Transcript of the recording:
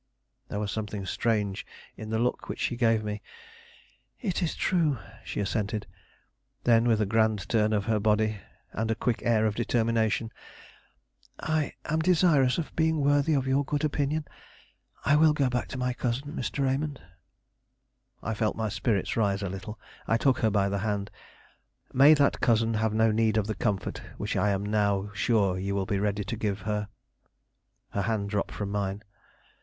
There was something strange in the look which she gave me. "It is true," she assented. Then, with a grand turn of her body, and a quick air of determination: "I am desirous of being worthy of your good opinion. I will go back to my cousin, Mr. Raymond." I felt my spirits rise a little; I took her by the hand. "May that cousin have no need of the comfort which I am now sure you will be ready to give her." Her hand dropped from mine.